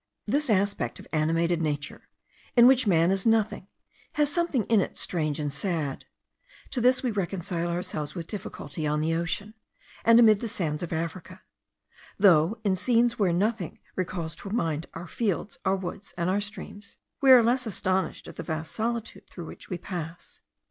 This aspect of animated nature, in which man is nothing, has something in it strange and sad. To this we reconcile ourselves with difficulty on the ocean, and amid the sands of Africa; though in scenes where nothing recalls to mind our fields, our woods, and our streams, we are less astonished at the vast solitude through which we pass.